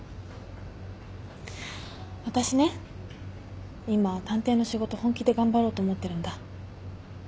私ね今探偵の仕事本気で頑張ろうと思ってるんだ。